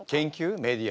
メディア。